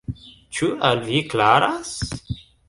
Ĉu al vi klaras?